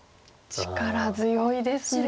力強いですね。